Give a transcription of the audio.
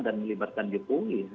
dan melibatkan jokowi